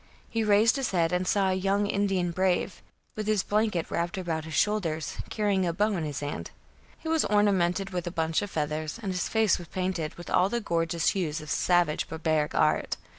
He raised his head, and saw a young Indian brave, with his blanket wrapped about his shoulders, carrying a bow in his hand. His head was ornamented with a bunch of feathers, and his face was painted with all the gorgeous hues of savage barbaric art.